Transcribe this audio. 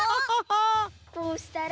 こうしたら。